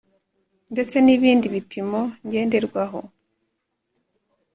ndetse n ibindi bipimo ngenderwaho